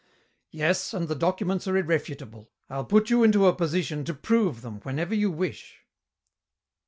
"Yes, and the documents are irrefutable. I'll put you into a position to prove them whenever you wish.